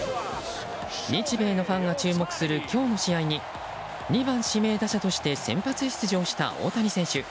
日米のファンが注目する今日の試合に２番指名打者として先発出場した大谷選手。